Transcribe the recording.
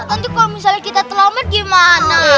nanti kalau misalnya kita selamat gimana